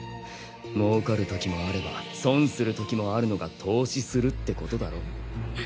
もうかる時もあれば損する時もあるのが投資するってことだろ？